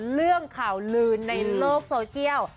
เรื่องข่าวลืนในโลกโซเชียล